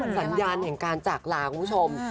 สัญญาณแห่งการจากลาคุณผู้ชม